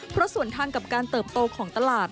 เพราะส่วนทางกับการเติบโตของตลาด